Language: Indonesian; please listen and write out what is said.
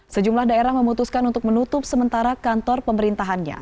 sejumlah daerah memutuskan untuk menutup sementara kantor pemerintahannya